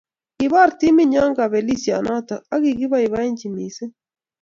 Kobor timinyon kapelisyonotok ak kikipoipoenchi missing'